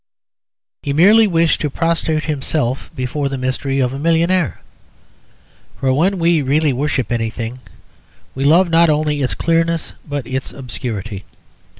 He merely wished to prostrate himself before the mystery of a millionaire. For when we really worship anything, we love not only its clearness but its obscurity.